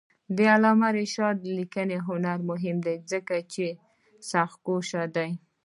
د علامه رشاد لیکنی هنر مهم دی ځکه چې سختکوش دی.